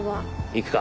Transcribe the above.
行くか。